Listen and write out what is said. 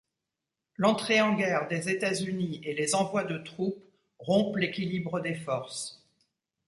L'entrée en guerre des États-Unis et les envois de troupes rompent l'équilibre des forces.